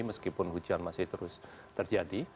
meskipun hujan masih terus terjadi